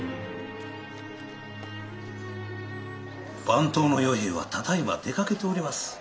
番頭の与平はただいま出かけております。